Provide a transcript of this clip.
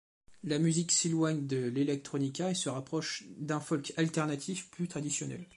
La musique s'éloigne de l'electronica et se rapproche d'un folk alternatif plus traditionnel.